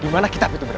dimana kitab itu berada